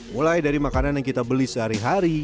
mulai dari makanan yang kita beli sehari hari